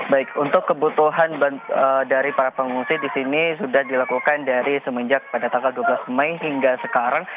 baik untuk kebutuhan dari para pengungsi di sini sudah dilakukan dari semenjak pada tanggal dua belas mei hingga sekarang